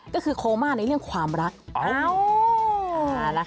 ก็คือโคม่าในเรื่องความรัก